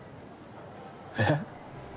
えっ？